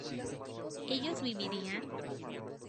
¿ellos vivirían?